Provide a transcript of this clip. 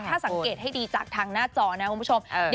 ถ้าสังเกตให้ดีจากทางหน้าจอนะคุณผู้ชม